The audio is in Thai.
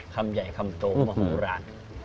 คำใหญ่คำโตมาของร้าน